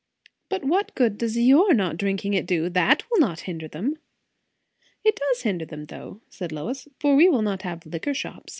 "But what good does your not drinking it do? That will not hinder them." "It does hinder them, though," said Lois; "for we will not have liquor shops.